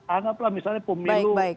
anggaplah misalnya pemilu